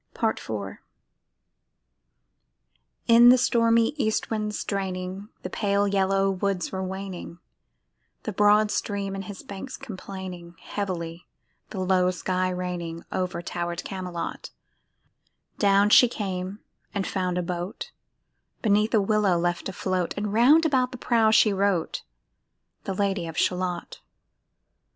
[Pg 71] PART IV In the stormy east wind straining, The pale yellow woods were waning, The broad stream in his banks complaining, Heavily the low sky raining Over tower'd Camelot; Down she came and found a boat Beneath a willow left afloat, And round about the prow she wrote The Lady of Shalott.